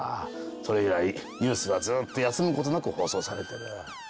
それ以来ニュースはずっと休むことなく放送されてる。